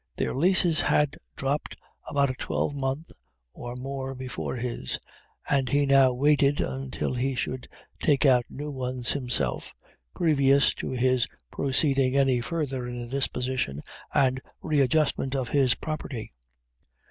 Their leases had dropped about a twelvemonth or more before his, and he now waited until he should take out new ones himself, previous to his proceeding any further in the disposition and readjustment of his property.